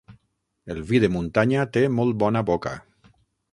El vi de muntanya té molt bona boca.